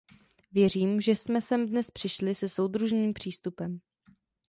Věřím, že jsme sem dnes přišli se soudržným přístupem.